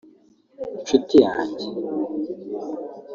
nshuti yanjye